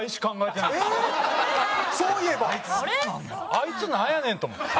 あいつなんやねん？と思って。